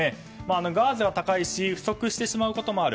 ガーゼは高いし不足してしまうこともある。